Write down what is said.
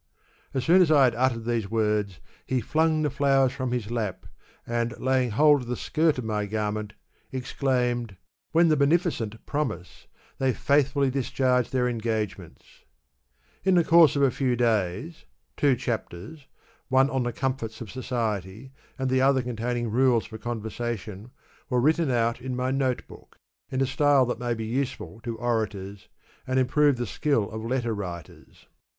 ^ As soon as I had uttered these words, he flung the flowers from his lap, and, laying hold of the skirt of my garment, exclaimed, ' When the benefi cent promise, they ^thfiilly discharge their engagements/ In the course of a few days, two chapters (one on the com forts of society, and the other containing rules for conver sation) were written out in my note book, in a style that may be useful to orators, and improve the skill of letter writers.